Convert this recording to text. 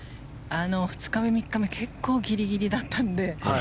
２日目、３日目結構ギリギリだったので。